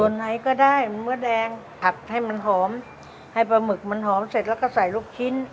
ส่วนไหนก็ได้เนื้อแดงผัดให้มันหอมให้ปลาหมึกมันหอมเสร็จแล้วก็ใส่ลูกชิ้น